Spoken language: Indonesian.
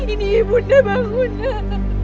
ini bunda bangunlah